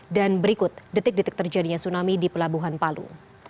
dan berikut detik detik terjadinya tsunami di pelabuhan palu